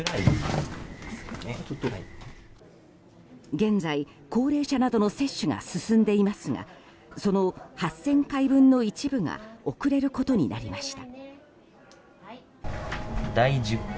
現在、高齢者などの接種が進んでいますがその８０００回分の一部が遅れることになりました。